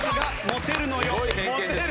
「モテるのよ」。